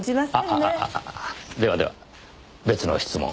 あではでは別の質問。